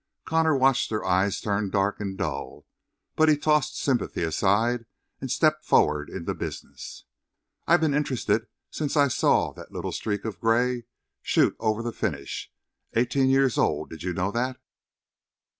Connor watched her eyes turn dark and dull, but he tossed sympathy aside and stepped forward in the business. "I've been interested since I saw that little streak of gray shoot over the finish. Eighteen years old. Did you know that?"